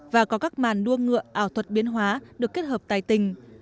và có các màn đua ngựa ảo thuật biến hóa được kết hợp tài tình